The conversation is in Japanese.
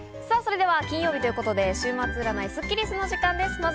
さぁ、それでは金曜日ということで週末占いスッキりすの時間です。